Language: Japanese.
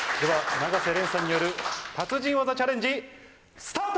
永瀬廉さんによる達人技チャレンジスタート！